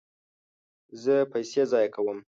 زه پیسې ضایع کوم